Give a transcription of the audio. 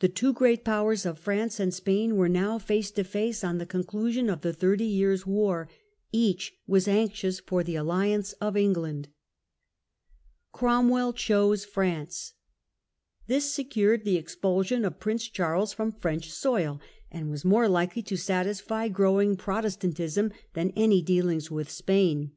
The two great powers of France and Spain were now face to face on the conclusion of the Thirty Years War; each was anxious for the alliance of England. Cromwell France or chose France. This secured the expulsion Spain? of Prince Charles from French soil, and was more likely to satisfy glowing Protestantism than any dealings with Spain.